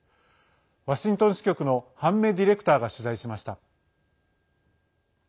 ワシントン支局の斑目ディレクターが取材しました。